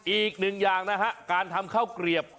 อีกหนึ่งอย่างนะฮะการทำข้าวเกลียบ